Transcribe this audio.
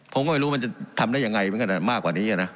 ผมก็ไม่รู้มันจะทำได้ยังไงมันก็มากกว่านี้นะ